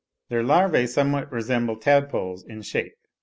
Their larvae somewhat resemble tadpoles in shape (23.